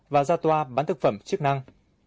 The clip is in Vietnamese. và ra toa bán thực phẩm chức năng